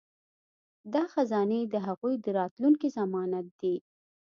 دا خزانې د هغوی د راتلونکي ضمانت دي.